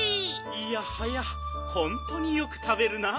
いやはやほんとによくたべるなあ。